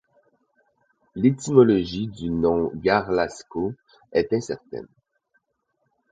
L'étymologie du nom Garlasco est incertaine.